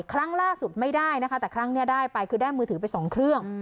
ครั้งล่าสุดไม่ได้นะคะแต่ครั้งนี้ได้ไปคือได้มือถือไปสองเครื่อง